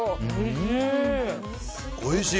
おいしい！